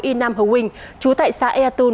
y nam hồng quỳnh chú tại xã e tôn